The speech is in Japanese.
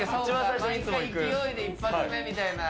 毎回勢いで一発目みたいな。